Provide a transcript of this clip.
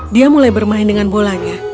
dia mulai bermain dengan bolanya